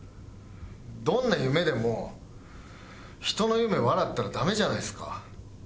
どんな夢でも人の夢笑ったらダメじゃないですか。